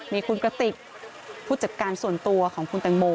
มีคุณกระติกผู้จัดการส่วนตัวของคุณแตงโม